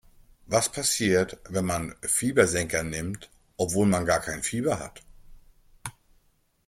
Was passiert, wenn man Fiebersenker nimmt, obwohl man kein Fieber hat?